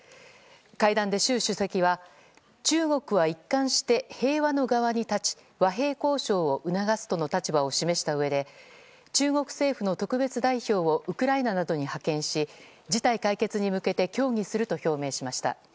会談で習主席は中国は一貫して平和の側に立ち和平交渉を促すとの立場を示したうえで中国政府の特別代表をウクライナなどに派遣し事態解決に向けて協議すると表明しました。